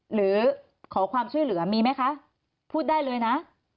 หรือขอความช่วยเหลือมีไหมคะพูดได้เลยนะ